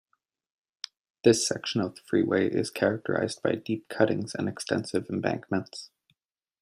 This section of the freeway is characterised by deep cuttings and extensive embankments.